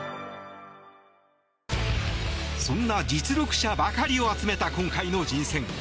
そんな実力者ばかりを集めた今回の人選。